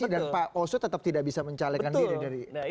dan pak oso tetap tidak bisa mencalekan diri